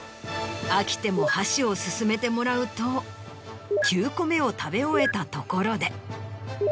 飽きても箸を進めてもらうと９個目を食べ終えたところで。